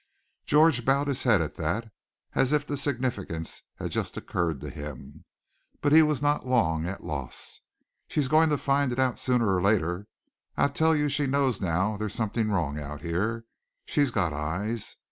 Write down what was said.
George bowed his head at that, as if the significance had just occurred to him. But he was not long at a loss. "She's going to find it out sooner or later. I tell you she knows now there's something wrong out here. She's got eyes.